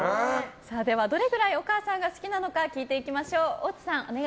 どれくらいお母さんが好きなのか聞いていきましょう。